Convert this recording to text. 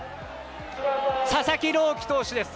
佐々木朗希投手です。